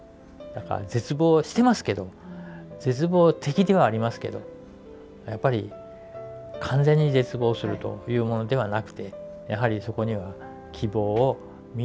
だから絶望してますけど絶望的ではありますけどやっぱり完全に絶望するというものではなくてやはりそこには希望を見いだしながら進んでるというのが現状ですね。